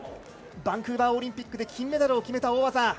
バンクーバーオリンピックで金メダルを決めた大技。